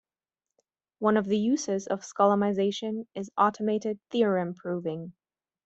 One of the uses of Skolemization is automated theorem proving.